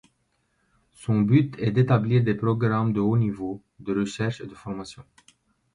Son but est d’établir des programmes de haut niveau, de recherche et de formation.